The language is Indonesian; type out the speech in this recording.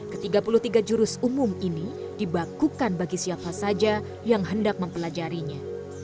ketiga puluh tiga jurus umum ini dibakukan bagi siapa saja yang hendak mempelajarinya